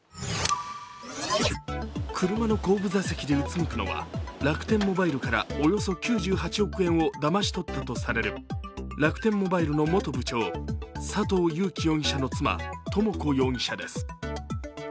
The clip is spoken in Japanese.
車の後部座席でうつむくのは楽天モバイルからおよそ９８億円をだまし取ったとされる楽天モバイルの元部長佐藤友紀容疑者の妻智子容疑者です。